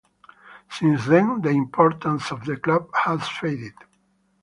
Since then, the importance of the club has faded.